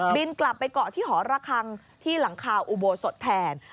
บินกลับไปเกาะที่หอระคังที่หลังคาอุโบสถแทน